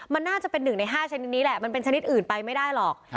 มันน่าจะเป็น๑ใน๕ชนิดนี้แหละมันเป็นชนิดอื่นไปไม่ได้หรอก